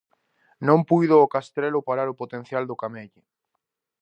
Non puido o Castrelo parar o potencial do Camelle.